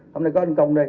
hôm nay có anh công đây